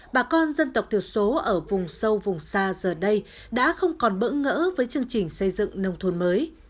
bà con dân tộc thiểu số ở vùng sâu vùng xa giờ đây đã không còn bỡ ngỡ với chương trình xây dựng nông thôn mới